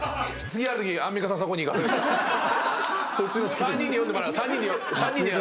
３人に読んでもらう。